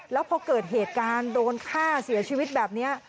แล้วพอเกิดเหตุการณ์โดนฆ่าเสียชีวิตแบบนี้